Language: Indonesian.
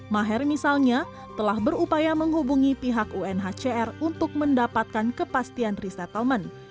maher misalnya telah berupaya menghubungi pihak unhcr untuk mendapatkan kepastian resettlement